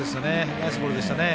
ナイスボールですね。